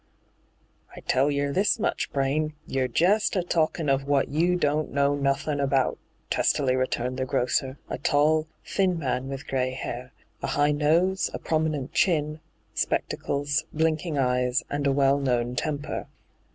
*' I tell yer this much, Braine : you're jest a talkin' of wot you don't know nothin' about,' testily returned the grocer, a tall, thin man with gray hair, a high nose, a prominent chin, spectacles, blinking eyes, and a well known temper.